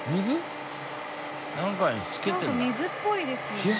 なんか水っぽいですね。